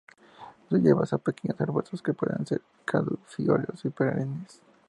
Son hierbas o pequeños arbustos que pueden ser caducifolios o perennes.